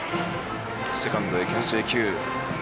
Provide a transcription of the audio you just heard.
セカンドへけん制球。